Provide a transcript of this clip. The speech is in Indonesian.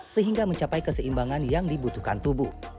sehingga mencapai keseimbangan yang dibutuhkan tubuh